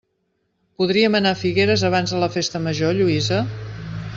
Podríem anar a Figueres abans de la festa major, Lluïsa?